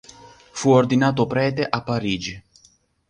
Fu ordinato prete a Parigi.